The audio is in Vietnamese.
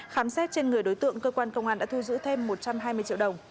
khám xét trên người đối tượng cơ quan công an đã thu giữ thêm một trăm hai mươi triệu đồng